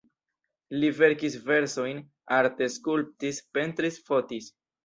Li verkis versojn, arte skulptis, pentris, fotis.